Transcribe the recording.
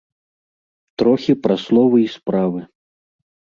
Трохі пра словы і справы.